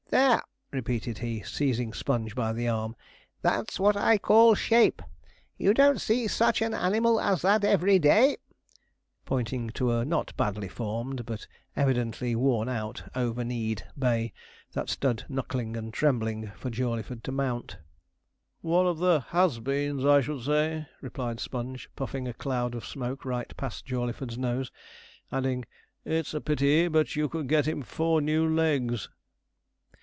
'There!' repeated he, seizing Sponge by the arm, 'that's what I call shape. You don't see such an animal as that every day,' pointing to a not badly formed, but evidently worn out, over knee'd bay, that stood knuckling and trembling for Jawleyford to mount. 'One of the "has beens," I should say,' replied Sponge, puffing a cloud of smoke right past Jawleyford's nose; adding, 'It's a pity but you could get him four new legs.'